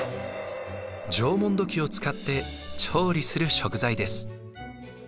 縄文土器を使って調理する食材です。